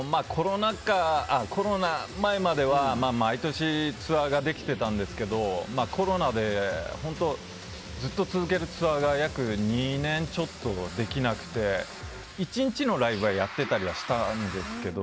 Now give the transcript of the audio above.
コロナ前までは毎年ツアーができてたんですけどコロナで本当、ずっと続けるツアーが約２年ちょっとできなくて、１日のライブはやったりしていたんですけど